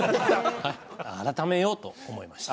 改めようと思いました。